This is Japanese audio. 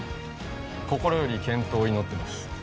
心より健闘を祈ってます